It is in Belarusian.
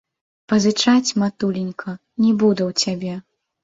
Пазычаць, матуленька, не буду ў цябе.